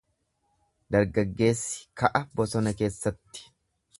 Dargaggeessi ka'a bosona keessatti.